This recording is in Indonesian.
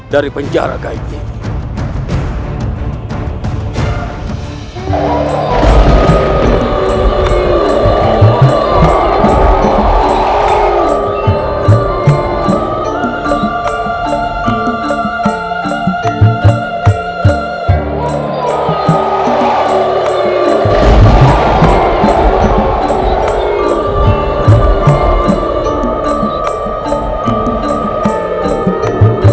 dari penjara kayak gini